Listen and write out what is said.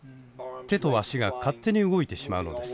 手と足が勝手に動いてしまうのです。